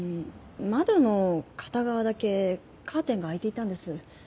窓の片側だけカーテンが開いていたんです。